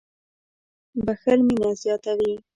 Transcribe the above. • بښل مینه زیاتوي.